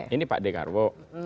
ini pak dekarwo